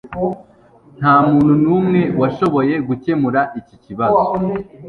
Ntamuntu numwe washoboye gukemura iki kibazo.